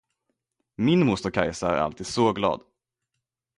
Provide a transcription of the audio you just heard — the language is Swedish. Min moster Kaisa är alltid så glad.